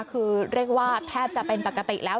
คือเรียกว่าแทบจะเป็นปกติแล้ว